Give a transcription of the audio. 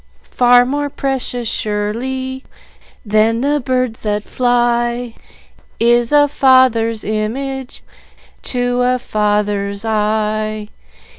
Far more precious surely than the birds that fly Is a Father's image to a Father's eye.